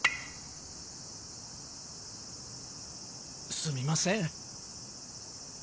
すみません。